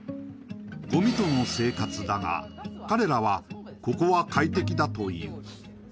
ごみとの生活だが、彼らはここは快適だと言う。